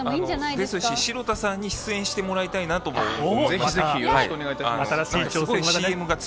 ですし、城田さんに出演してもらいたいなと思います。